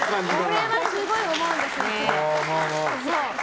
これはすごい思うんですよね。